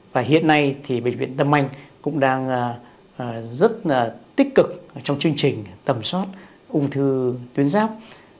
và hiện nay thì bệnh viện tâm anh cũng đang rất là tích cực trong chương trình tẩm soát ung thư tuyến ráp